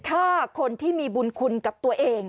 ฆ่าคนที่มีบุญคุณกับตัวเอง